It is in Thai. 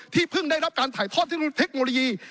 เพิ่งได้รับการถ่ายทอดเทคโนโลยี